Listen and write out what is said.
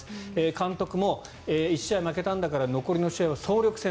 監督も１試合負けたんだから残りの試合は総力戦。